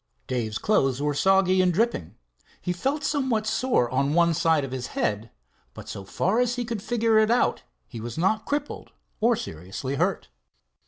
Dave's clothes were soggy and dripping. He felt somewhat sore on one side of his head, but so far as he could figure it out he was not crippled; or seriously hurt.